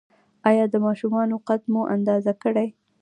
ایا د ماشومانو قد مو اندازه کړی؟